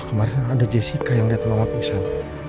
kemarin ada jessica yang liat mama pingsan